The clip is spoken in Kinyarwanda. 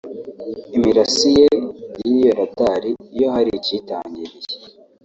Imirasiye y’iyo radari iyo hari ikiyitangiriye